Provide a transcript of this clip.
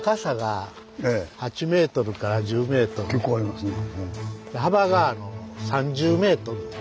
これは結構ありますね。